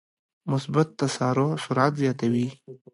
مثبت تسارع سرعت زیاتوي.